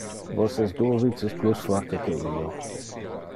Vos es duo vices plus forte que io.